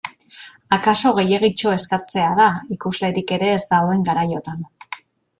Akaso gehiegitxo eskatzea da, ikuslerik ere ez dagoen garaiotan.